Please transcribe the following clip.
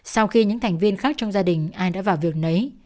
sau khi những thành viên khác trong gia đình ai đã vào việc nấy